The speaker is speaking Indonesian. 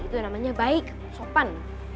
itu namanya baik sopan